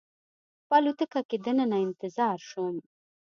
په الوتکه کې دننه انتظار شوم.